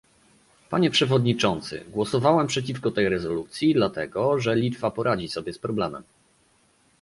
Panie przewodniczący, głosowałem przeciwko tej rezolucji, dlatego, że Litwa poradzi sobie z problemem